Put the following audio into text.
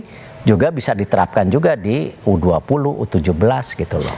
jadi juga bisa diterapkan juga di u dua puluh u tujuh belas gitu loh